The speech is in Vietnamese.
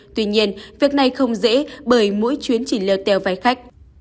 tuy nhiên việc này không dễ bởi mỗi chuyến chỉ leo teo váy khách